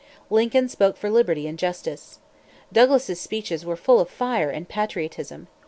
Lincoln spoke for liberty and justice. Douglas's speeches were full of fire and patriotism.